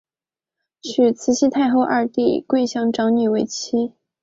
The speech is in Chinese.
娶慈禧太后二弟桂祥长女为妻。